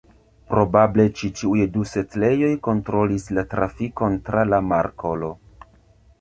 Probable, ĉi tiuj du setlejoj kontrolis la trafikon tra la markolo.